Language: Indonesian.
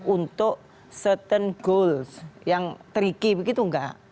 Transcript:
untuk certain goals yang tricky begitu nggak